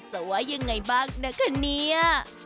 ว่ายังไงบ้างนะคะเนี่ย